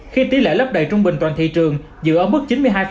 khi tỷ lệ lấp đầy trung bình toàn thị trường dựa ở mức chín mươi hai